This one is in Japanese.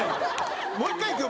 もう１回いくよ。